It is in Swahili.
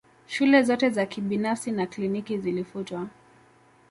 Shule zote za kibinafsi na kliniki zilifutwa